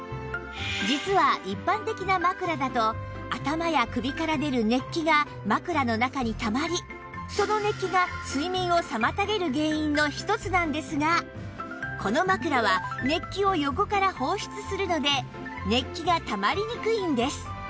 実は一般的な枕だと頭や首から出る熱気が枕の中にたまりその熱気が睡眠を妨げる原因の一つなんですがこの枕は熱気を横から放出するので熱気がたまりにくいんです